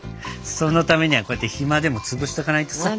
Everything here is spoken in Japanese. そのためにはこうやって暇でもつぶしとかないとさ。